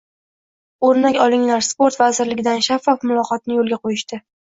O‘rnak olinglar sport vazirligidan shaffof muloqotni yo‘lga qo‘yishda.